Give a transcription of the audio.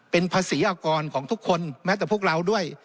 เป็นภาษีอากรของทุกคนแม้แต่พวกเราด้วย